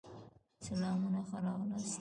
سلامونه ښه راغلاست